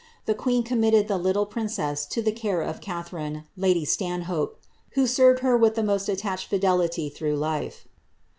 The queen committed the little princess to the care of Cathe rine, lady Stanhope, who served her with the most attached fidelity through life.